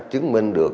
chứng minh được